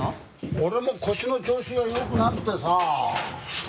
俺も腰の調子が良くなくてさ。